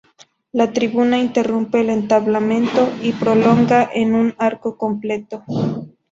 La tribuna interrumpe el entablamento y se prolonga en un arco completo.